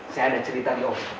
saya ada cerita di om